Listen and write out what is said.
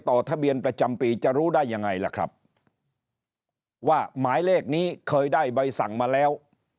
ต่อทะเบียนประจำปีจะรู้ได้ยังไงล่ะครับว่าหมายเลขนี้เคยได้ใบสั่งมาแล้ว